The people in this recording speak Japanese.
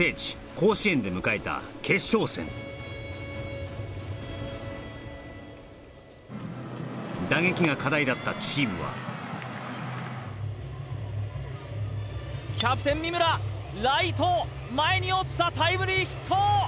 甲子園で迎えた決勝戦打撃が課題だったチームはキャプテン三村ライト前に落ちたタイムリーヒット！